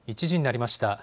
１時になりました。